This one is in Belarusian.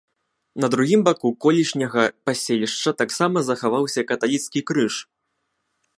На другім баку колішняга паселішча таксама захаваўся каталіцкі крыж.